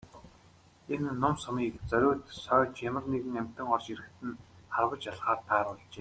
Энэ нум сумыг зориуд сойж ямар нэгэн амьтан орж ирэхэд нь харваж алахаар тааруулжээ.